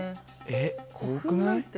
えっ多くない？